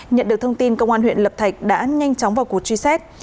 nhận được thông tin công an huyện lập thạch đã nhanh chóng vào cuộc truy xét